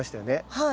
はい。